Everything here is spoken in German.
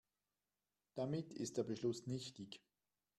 Damit ist der Beschluss nichtig.